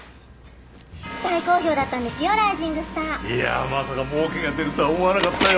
いやまさかもうけが出るとは思わなかったよ。